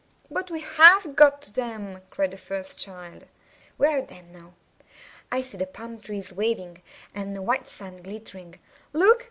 "But we have got to them," cried the first child. "We are at them now. I see the palm trees waving, and the white sand glittering. Look!